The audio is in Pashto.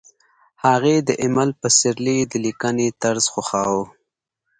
هغې د ایمل پسرلي د لیکنې طرز خوښاوه